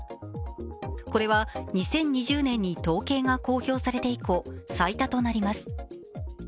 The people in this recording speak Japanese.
これは２０２０年に統計が公表されて以降、最多となります。